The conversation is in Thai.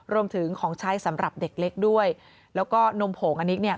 รวมถึงของใช้สำหรับเด็กเล็กด้วยแล้วก็นมโผงอันนี้เนี่ย